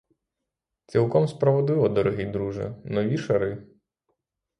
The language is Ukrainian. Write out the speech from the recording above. Цілком справедливо, дорогий друже: нові шари.